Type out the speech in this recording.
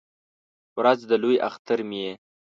ورځ د لوی اختر مې یې